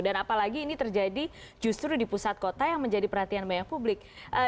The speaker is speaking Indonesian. dan apalagi ini terjadi justru di pusat kota yang menjadi perhatian banyak publik